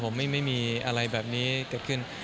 ผมไม่มีอะไรแบบนี้เกิดขึ้น